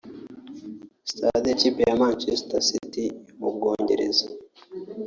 stade y’Ikipe ya Manchester City yo mu Bwongereza